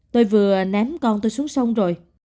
tôi vừa ném con tôi xuống sông rồi